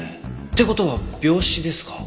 って事は病死ですか？